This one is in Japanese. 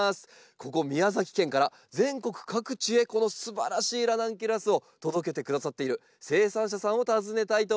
ここ宮崎県から全国各地へこのすばらしいラナンキュラスを届けてくださっている生産者さんを訪ねたいと思います。